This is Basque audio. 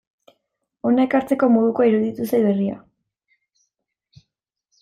Hona ekartzeko modukoa iruditu zait berria.